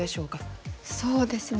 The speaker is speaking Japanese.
そうですね。